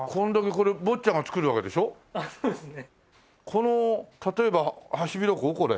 この例えばハシビロコウこれ？